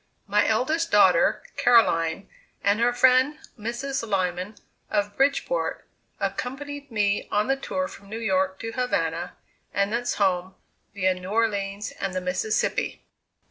My eldest daughter, Caroline, and her friend, Mrs. Lyman, of Bridgeport, accompanied me on the tour from New York to Havana, and thence home, via New Orleans and the Mississippi.